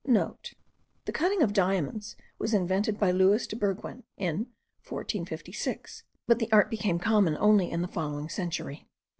(* The cutting of diamonds was invented by Lewis de Berquen, in 1456, but the art became common only in the following century.)